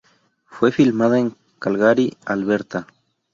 Fue Filmada en Calgary, Alberta.